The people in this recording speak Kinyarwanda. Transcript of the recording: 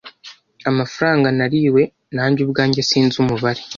Amafaranga nariwe nanjye ubwanjye sinzi umubare